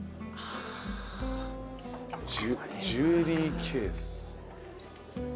ジュエリーケース。